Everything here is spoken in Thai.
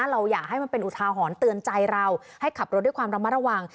เราอยากให้มันเป็นอุทาหรณ์เตือนใจเราให้ขับรถด้วยความระมัดระวัง